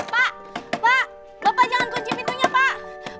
pak pak lupa jangan kunci pintunya pak